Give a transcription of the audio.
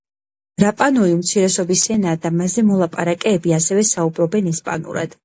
რაპანუი უმცირესობის ენაა და მასზე მოლაპარაკეები ასევე საუბრობენ ესპანურად.